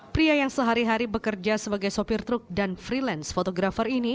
pria yang sehari hari bekerja sebagai sopir truk dan freelance fotografer ini